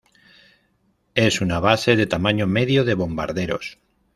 Es una base de tamaño medio de bombarderos.